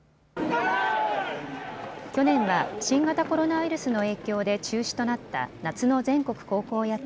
去年は新型コロナウイルスの影響で中止となった夏の全国高校野球。